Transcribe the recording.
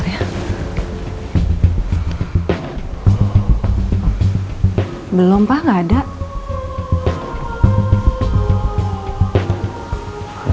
lagi semuanya bukunya